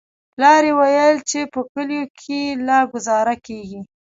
پلار يې ويل چې په کليو کښې لا گوزاره کېږي.